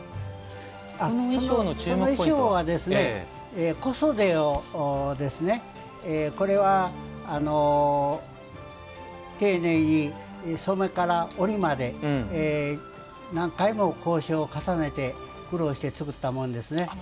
この衣装は小袖を丁寧に染めから折りまで何回も考証を重ねて苦労して作ったものですね。